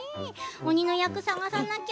鬼の役、探さなきゃ。